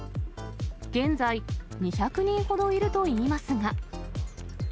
現在、２００人ほどいるといいますが。